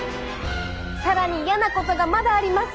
さらにイヤなことがまだあります！